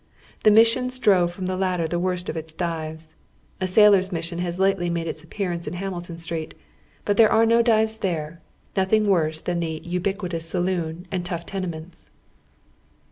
The missions drove fi om the latter the worst of its dives, A sailors' mission has lately made its appearance in namilton Street, hut there are no dives there, nothing worse than the ubiquitous saloon and tongli tenements.